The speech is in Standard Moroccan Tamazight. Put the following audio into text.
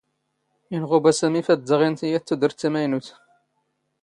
ⵉⵏⵖⵓⴱⴰ ⵙⴰⵎⵉ ⴼⴰⴷ ⴰⴷ ⴷⴰⵖ ⵉⵏⵜⵉ ⵢⴰⵜ ⵜⵓⴷⵔⵜ ⵜⴰⵎⴰⵢⵏⵓⵜ.